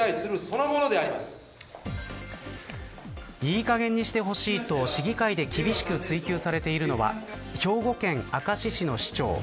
いい加減にしてほしいと市議会で厳しく追及されているのは兵庫県明石市の市長。